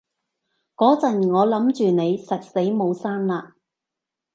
嗰陣我諗住你實死冇生喇